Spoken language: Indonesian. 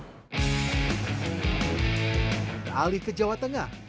rally ke jawa tengah